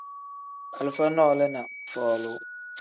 Alifa nole ni folu.